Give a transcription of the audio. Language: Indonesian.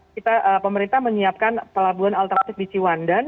kita pemerintah menyiapkan pelabuhan alternatif di ciwandan